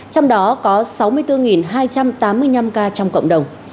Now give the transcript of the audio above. trong đó có sáu mươi bốn hai trăm tám mươi năm ca trong cộng đồng